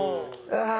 ああ！